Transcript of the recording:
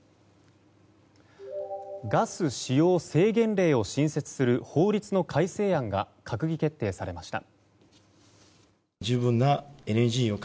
ガス使用制限令を新設する法律の改正案が閣議決定されました。